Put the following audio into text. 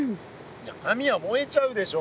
いや紙は燃えちゃうでしょ。